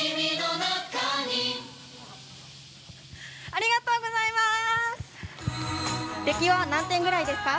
ありがとうございます。